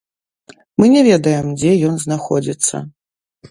Мы не ведаем, дзе ён знаходзіцца.